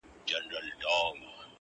زه چي پر مخ زلفي لرم بل به یارکړمه.!.!